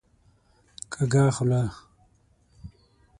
کږه خوله